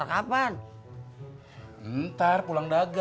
kapan i buka ruanganige